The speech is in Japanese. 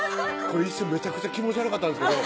これ一瞬めちゃくちゃ気持ち悪かったんですけど